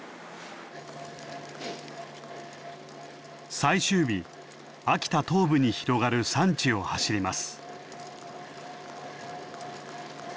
最終日秋田東部に広がる山地を走ります。